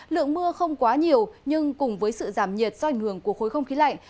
lượng mưa không quá nhiều nhưng cùng với sự giảm nhiệt do ảnh hưởng của khối không khí lạnh